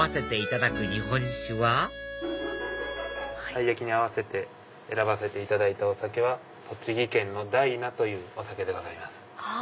たい焼きに合わせて選ばせていただいたお酒は栃木県の大那というお酒でございます。